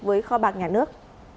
với kho bạc nhà nước